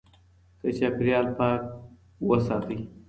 خپل چاپېريال پاک وساتئ.